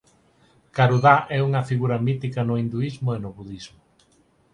Garudá é unha figura mítica no hinduísmo e no budismo.